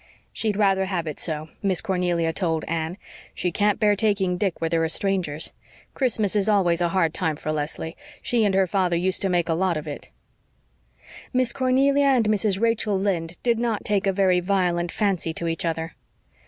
"She'd rather have it so," Miss Cornelia told Anne. "She can't bear taking Dick where there are strangers. Christmas is always a hard time for Leslie. She and her father used to make a lot of it." Miss Cornelia and Mrs. Rachel did not take a very violent fancy to each other.